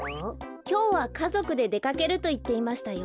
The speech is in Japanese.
きょうはかぞくででかけるといっていましたよ。